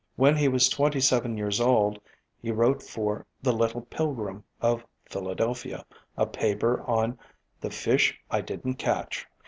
When he was twenty seven years old he wrote for The Little Pilgrim of Philadelphia a paper on "The Fish I Didn't Catch."